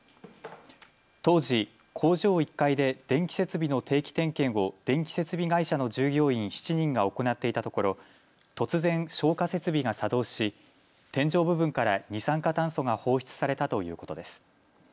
当時、工場１階で電気設備の定期点検を電気設備会社の従業員７人が行っていたところ突然、消火設備が作動し天井部分から二酸化炭素が放出されたということです。